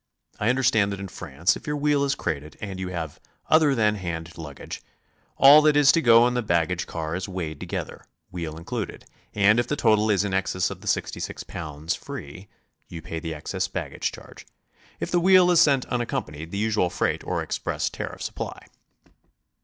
I under stand that in France if your wheel is crated and you have other than hand luggage, all that is to go in the baggage car is weighed together, wheel included, and if the total is in excels of the 66 pounds free, you pay the excess baggage charge. If the wheel is sent unaccompanied, the usual freight or express tariffs apply.